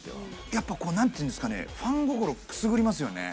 やっぱこう何て言うんですかねファン心くすぐりますよね。